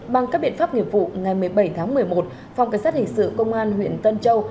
bằng các biện pháp nghiệp vụ ngày một mươi bảy tháng một mươi một phòng cảnh sát hình sự công an huyện tân châu